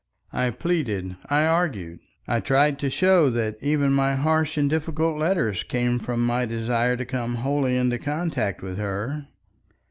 I pleaded, I argued. I tried to show that even my harsh and difficult letters came from my desire to come wholly into contact with her.